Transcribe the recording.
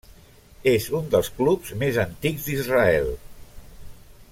És un dels clubs més antics d'Israel.